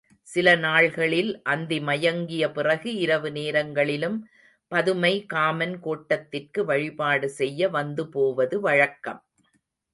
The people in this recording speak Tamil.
சில நாள்களில் அந்தி மயங்கிய பிறகு, இரவு நேரங்களிலும் பதுமை காமன் கோட்டத்திற்கு வழிபாடு செய்ய வந்துபோவது வழக்கம்.